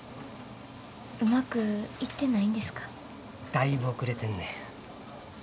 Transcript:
だいぶ遅れてんねん。